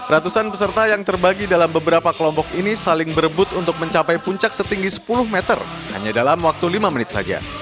ratusan peserta yang terbagi dalam beberapa kelompok ini saling berebut untuk mencapai puncak setinggi sepuluh meter hanya dalam waktu lima menit saja